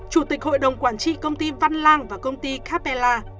chủ tịch hội đồng quản trị công ty văn lang và công ty capella